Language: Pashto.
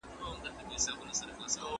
د بدمرغيو پيل له همدې ځايه وسو.